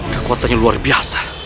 kekuatannya luar biasa